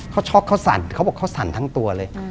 เขาช็อกเขาสั่นเขาบอกเขาสั่นทั้งตัวเลย